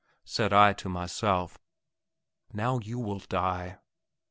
said I to myself. "Now you will die!"